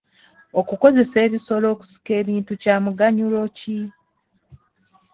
Okukozesa ebisolo okusika ebintu kya muganyulo ki?